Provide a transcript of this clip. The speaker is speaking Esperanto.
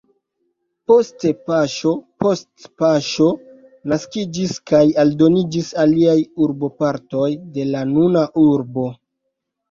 Poste paŝo post paŝo naskiĝis kaj aldoniĝis aliaj urbopartoj de la nuna urbo.